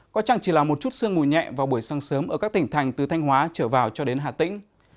có chẳng chỉ là một chút sương mùi nhẹ vào buổi sáng sớm ở các tỉnh thành từ thanh hóa trở vào cho đến hà tĩnh